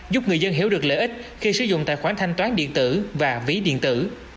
giúp người dân hiểu được lợi ích khi sử dụng tài khoản thanh toán điện tử và ví điện tử